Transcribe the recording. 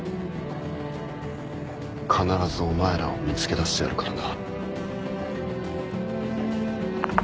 必ずお前らを見つけ出してやるからな。